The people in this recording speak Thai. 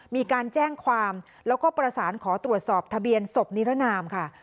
มีการแจ้งความแล้วก็ประสานขอตรวจสอบทะเบียนศพนิรนามค่ะ